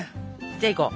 じゃあいこう。